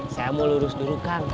saya mau lurus dulu kang